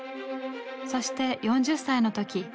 そして４０歳の時